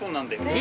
え！